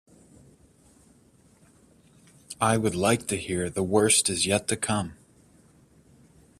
I would like to hear The Worst Is Yet To Come.